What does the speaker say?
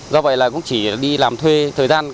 do vậy là cũng chỉ đi làm thuê thời gian